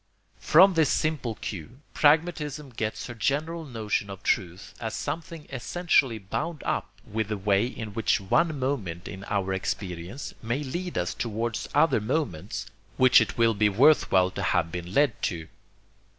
From this simple cue pragmatism gets her general notion of truth as something essentially bound up with the way in which one moment in our experience may lead us towards other moments which it will be worth while to have been led to.